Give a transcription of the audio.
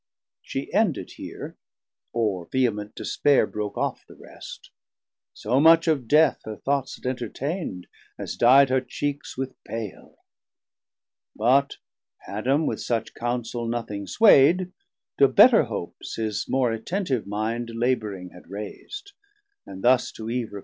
She ended heer, or vehement despaire Broke off the rest; so much of Death her thoughts Had entertaind, as di'd her Cheeks with pale. But Adam with such counsel nothing sway'd, 1010 To better hopes his more attentive minde Labouring had rais'd, and thus to Eve repli'd.